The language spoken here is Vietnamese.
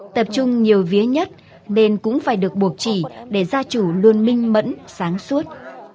tập trung nhiều vía nhất nên cũng phải được buộc chỉ để gia chủ luôn minh mẫn sáng suốt